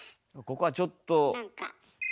ここはちょっと。